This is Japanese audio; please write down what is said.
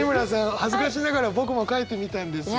恥ずかしながら僕も書いてみたんですが。